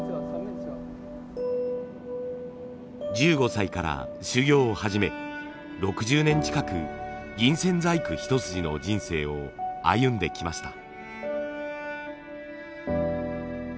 １５歳から修業を始め６０年近く銀線細工一筋の人生を歩んできました。